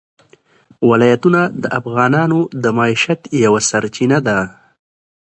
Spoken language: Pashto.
ولایتونه د افغانانو د معیشت یوه سرچینه ده.